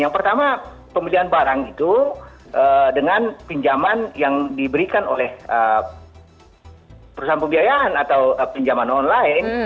yang pertama pembelian barang itu dengan pinjaman yang diberikan oleh perusahaan pembiayaan atau pinjaman online